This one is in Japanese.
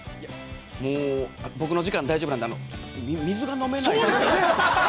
◆もう、僕の時間大丈夫なんで、ちょっと水が飲めない？